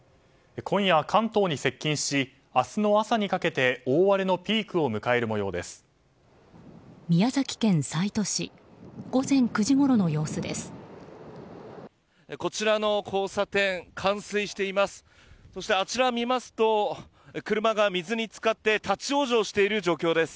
今夜、関東に接近し明日の朝にかけて大荒れのピークを迎える模様です。